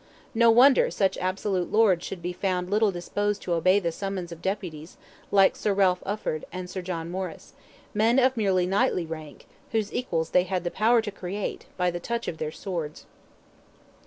No wonder such absolute lords should be found little disposed to obey the summons of deputies, like Sir Ralph Ufford and Sir John Morris, men of merely knightly rank, whose equals they had the power to create, by the touch of their swords.